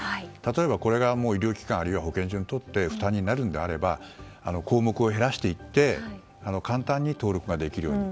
これが医療機関あるいは保健所にとって負担になるのであれば項目を減らして簡単に登録ができるように。